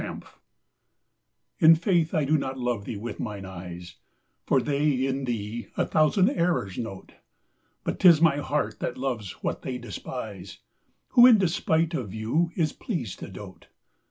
141 In faith I do not love thee with mine eyes, For they in thee a thousand errors note, But 'tis my heart that loves what they despise, Who in despite of view is pleased to dote.